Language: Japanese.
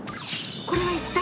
これは一体！？